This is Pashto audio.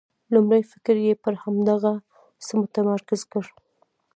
لومړی فکر یې پر همدغه څه متمرکز کړ.